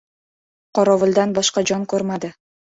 Qorovuldan boshqa jon ko‘rmadi.